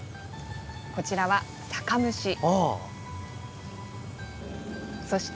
こちらは酒蒸し。